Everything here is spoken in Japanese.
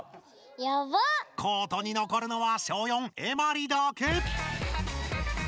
コートに残るのは小４エマリだけ！